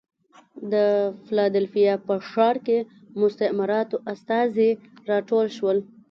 د فلادلفیا په ښار کې مستعمراتو استازي راټول شول.